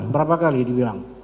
berapa kali dibilang